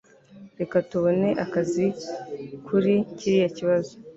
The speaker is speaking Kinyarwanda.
Reka tubone akazi kuri kiriya kibazo